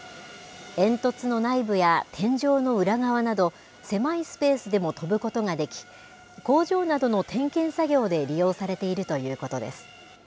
煙突の内部や天井の裏側など、狭いスペースでも飛ぶことができ、工場などの点検作業で利用されているということです。